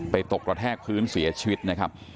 ตกกระแทกพื้นเสียชีวิตนะครับ